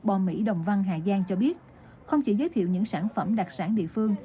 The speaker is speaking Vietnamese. bò mỹ đồng văn hà giang cho biết không chỉ giới thiệu những sản phẩm đặc sản địa phương